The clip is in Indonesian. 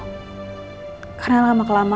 hai karena lama kelamaan